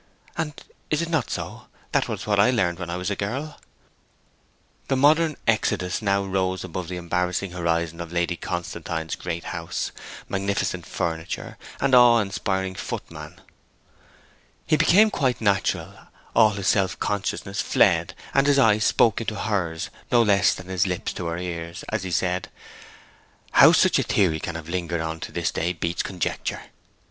'And is it not so? That was what I learned when I was a girl.' The modern Eudoxus now rose above the embarrassing horizon of Lady Constantine's great house, magnificent furniture, and awe inspiring footman. He became quite natural, all his self consciousness fled, and his eye spoke into hers no less than his lips to her ears, as he said, 'How such a theory can have lingered on to this day beats conjecture!